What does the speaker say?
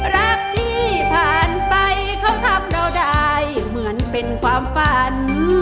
รักที่ผ่านไปเขาทำเราได้เหมือนเป็นความฝัน